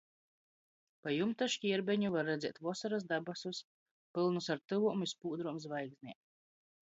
Pa jumta škierbeņu var redzēt vosorys dabasus, pylnus ar tyvom i spūdrom zvaigznem.